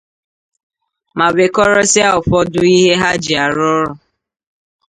ma wekọrọsịa ụfọdụ ihe ha ji arụ ọrụ